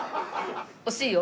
惜しいよ。